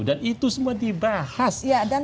dan itu semua dibahas